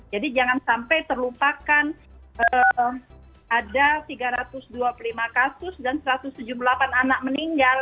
jadi jangan sampai terlupakan ada tiga ratus dua puluh lima kasus dan satu ratus tujuh puluh delapan anak meninggal